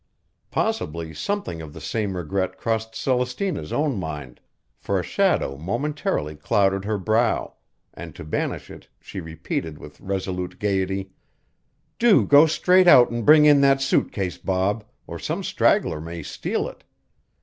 Possibly something of the same regret crossed Celestina's own mind, for a shadow momentarily clouded her brow, and to banish it she repeated with resolute gaiety: "Do go straight out an' bring in that suit case, Bob, or some straggler may steal it.